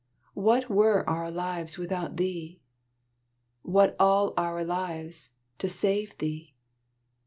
What were our lives without thee? What all our lives to save thee?